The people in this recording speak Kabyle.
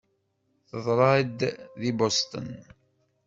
Teḍra-d di Boston.